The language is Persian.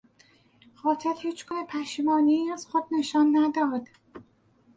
قاتل هیچگونه پشیمانی از خود نشان نداد.